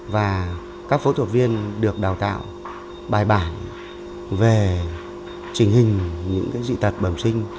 và các phẫu thuật viên được đào tạo bài bản về trình hình những dị tật bẩm sinh